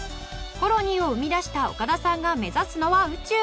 コロニーを生み出した岡田さんが目指すのは宇宙。